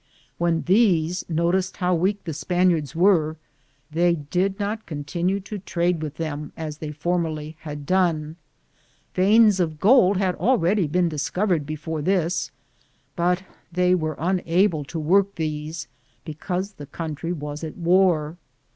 When these noticed how weak the Spaniards were, they did not continue to trade with, them as they formerly had done. Veins of gold had already been discovered before this, but they were unable to work these, because the country was at war.